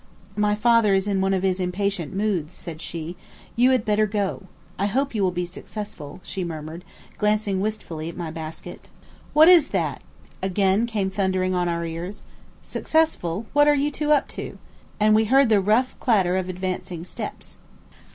"My father is in one of his impatient moods," said she, "you had better go. I hope you will be successful," she murmured, glancing wistfully at my basket. "What is that?" again came thundering on our ears. "Successful? What are you two up to?" And we heard the rough clatter of advancing steps.